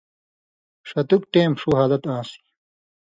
ݜتُک ٹېم ݜُو حالت آن٘سیۡ